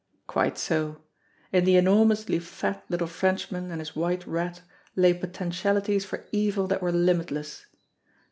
Quite so ! In the enormously fat little Frenchman and his White Rat lay potentialities for evil that were limitless.